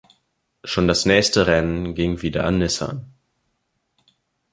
Schon das nächste Rennen ging wieder an Nissan.